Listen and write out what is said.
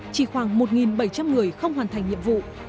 chỉ khoảng một bảy trăm linh người không hoàn thành nhiệm vụ